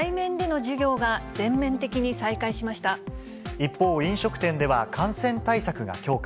一方、飲食店では感染対策が強化。